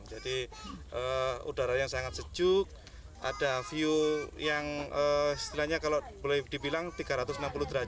jadi udaranya sangat sejuk ada view yang istilahnya kalau boleh dibilang tiga ratus enam puluh derajat